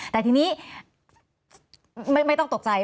แต่ทีนี้ไม่ต้องตกใจ